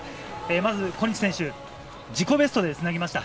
まず、小西選手自己ベストでつなぎました。